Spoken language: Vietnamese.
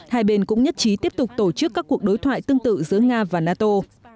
hai bên cũng nhất trí tiếp tục tổ chức các cuộc đối thoại tương tự giữa nga và nato